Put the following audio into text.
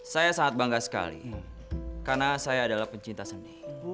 saya sangat bangga sekali karena saya adalah pencinta seni